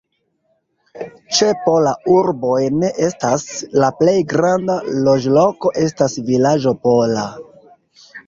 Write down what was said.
Ĉe Pola urboj ne estas, la plej granda loĝloko estas vilaĝo Pola.